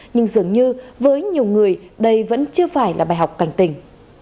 nhưng dường như với nhiều người đây vẫn chưa phải là bài học cảnh tình